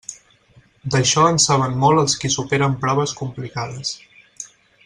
D'això en saben molt els qui superen proves complicades.